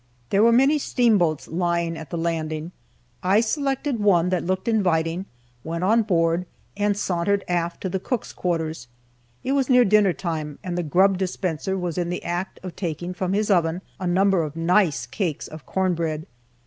There were many steamboats lying at the Landing, I selected one that looked inviting, went on board, and sauntered aft to the cook's quarters. It was near dinner time, and the grub dispenser was in the act of taking from his oven a number of nice cakes of corn bread.